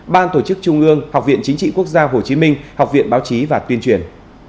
ban tổ chức trung ương học viện chính trị quốc gia hồ chí minh học viện báo chí và tuyên truyền